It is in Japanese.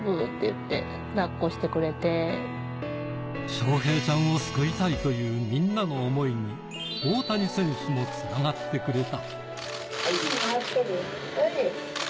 翔平ちゃんを救いたいというみんなの思いに大谷選手も繋がってくれた。